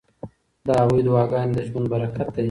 د هغوی دعاګانې د ژوند برکت دی.